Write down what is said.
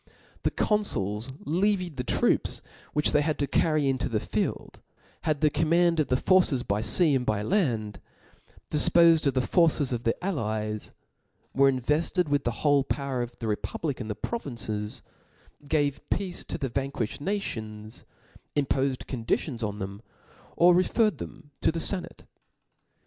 The confuls levied the trot^ which tbey wcrd to carry into the field ; had the command of the forces by fea and land^ difpofed of the forces of the allies; were invefted with the whole, power of the republic in the provinces 5 gave pedce to the vanquifhed nations, impofed conditions on theixii or referred them to the fenate.